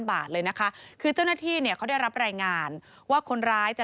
บาทเลยนะคะคือเจ้าหน้าที่เนี่ยเขาได้รับรายงานว่าคนร้ายจะ